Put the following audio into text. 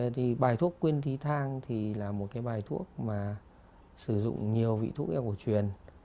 thì bài thuốc quyên tí thang thì là một cái bài thuốc mà sử dụng nhiều vị thuốc hiệu quả truyền